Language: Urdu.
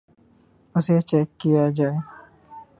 اسے چیک کیا جائے